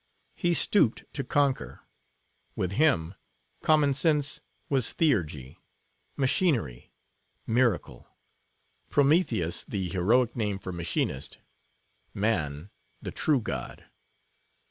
He stooped to conquer. With him, common sense was theurgy; machinery, miracle; Prometheus, the heroic name for machinist; man, the true God.